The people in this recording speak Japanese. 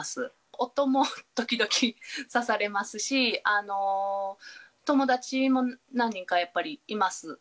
夫も時々刺されますし、友達も何人か、やっぱりいます。